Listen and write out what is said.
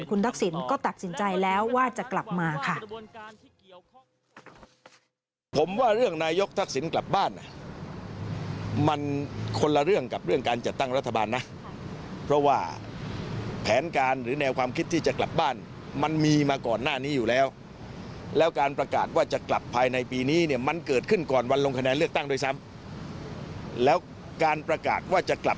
คุณทักษิณก็ตัดสินใจแล้วว่าจะกลับมาค่ะ